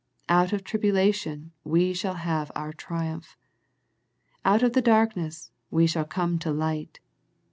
Out of the tribulation we shall have our triumph. Out of the dark ness we shall come to light.